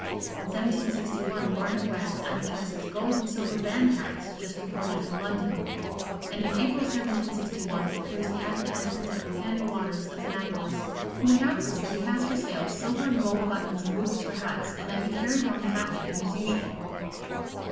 In 1761 Barnet West advertises "gold and silver band hats, just imported from London," and in April, 1761, appears the advertisement of Nathaniel Waters, of Annapolis, who announces that he has for sale "silver and gold buttons and loops for hats, and that he carries on the hat making as usual."